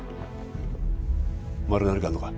まだ何かあんのか？